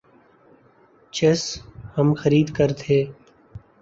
چس ہم خرید کر تھے